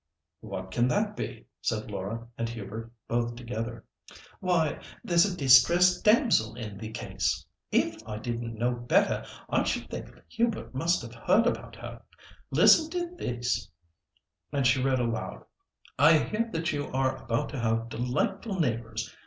"What can that be?" said Laura and Hubert both together. "Why! there's a distressed damsel in the case. If I didn't know better, I should think Hubert must have heard about her. Listen to this!" And she read aloud:—"'I hear that you are to have delightful neighbours.